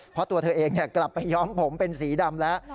เพราะตัวเธอเองกลับไปย้อมผมเป็นสีดำแล้ว